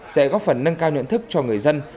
sẽ góp phần nâng cao nhận thức cho người dân